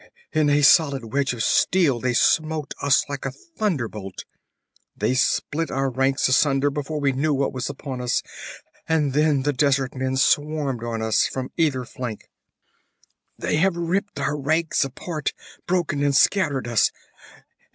In a solid wedge of steel they smote us like a thunderbolt. They split our ranks asunder before we knew what was upon us, and then the desert men swarmed on us from either flank. 'They have ripped our ranks apart, broken and scattered us!